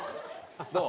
どう？